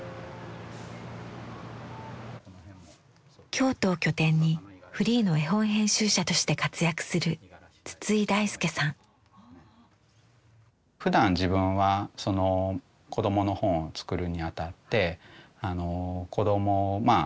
京都を拠点にフリーの絵本編集者として活躍するふだん自分は子供の本を作るにあたって子供まあ